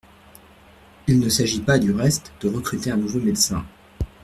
Il ne s’agit pas, du reste, de recruter un nouveau médecin.